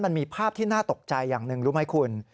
มันมีภาพที่น่าตกใจอย่างหนึ่งรู้ไหมคุณ